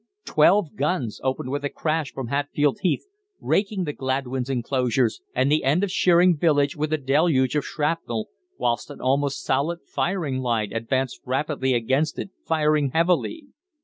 Twelve guns opened with a crash from Hatfield Heath, raking the Gladwyns enclosures and the end of Sheering village with a deluge of shrapnel, whilst an almost solid firing line advanced rapidly against it, firing heavily.